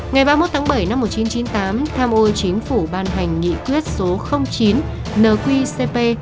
ngày ba mươi một tháng bảy năm một nghìn chín trăm chín mươi tám tham ô chính phủ ban hành nghị quyết số chín nqcp